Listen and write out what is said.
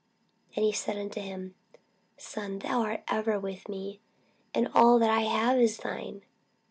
And he said unto him, Son, thou art ever with me, and all that I have is thine.